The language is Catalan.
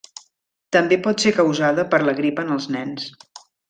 També pot ser causada per la grip en els nens.